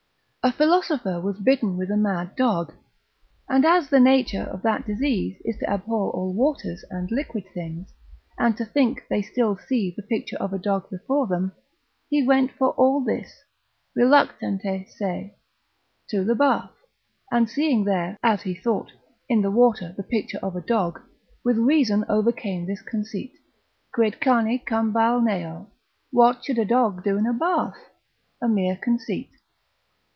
A philosopher was bitten with a mad dog, and as the nature of that disease is to abhor all waters, and liquid things, and to think still they see the picture of a dog before them: he went for all this, reluctante se, to the bath, and seeing there (as he thought) in the water the picture of a dog, with reason overcame this conceit, quid cani cum balneo? what should a dog do in a bath? a mere conceit.